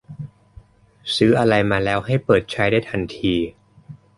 ซื้ออะไรมาแล้วให้เปิดใช้ได้ทันที